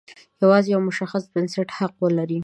یوازې یو مشخص بنسټ حق ولري.